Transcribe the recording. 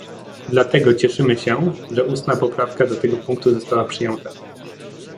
Dlatego cieszymy się, że ustna poprawka do tego punktu została przyjęta